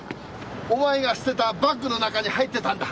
お前が捨てたバッグの中に入ってたんだ。